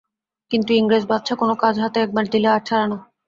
কিন্তু ইংরেজবাচ্ছা কোন কাজে হাত একবার দিলে আর ছাড়ে না।